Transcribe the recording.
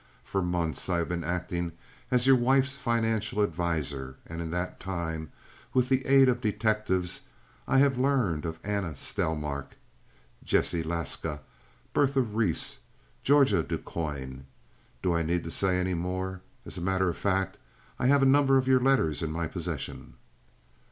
For months I have been acting as your wife's financial adviser, and in that time, with the aid of detectives, I have learned of Anna Stelmak, Jessie Laska, Bertha Reese, Georgia Du Coin—do I need to say any more? As a matter of fact, I have a number of your letters in my possession."